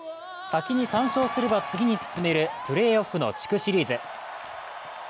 先に３勝すれば次に進めるプレーオフの地区シリーズ。